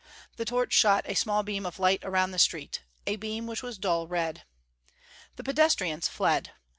The torch shot a small beam of light around the street a beam which was dull red. The pedestrians fled.